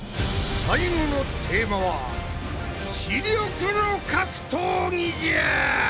最後のテーマは「知力の格闘技」じゃ！